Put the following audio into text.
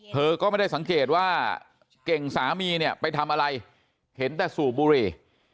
เธอก็ไม่ได้สังเกตว่าเก่งสามีเนี่ยไปทำอะไรเห็นแต่สูบบุหรี่